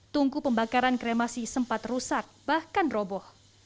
tungku pembakaran kremasi sempat rusak bahkan roboh